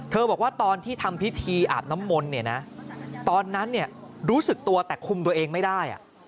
บอกว่าตอนที่ทำพิธีอาบน้ำมนต์เนี่ยนะตอนนั้นรู้สึกตัวแต่คุมตัวเองไม่ได้